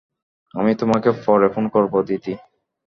আমি তোমাকে পরে ফোন করব, দিদি।